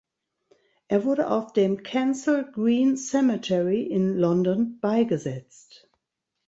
Er wurde auf dem Kensal Green Cemetery in London beigesetzt.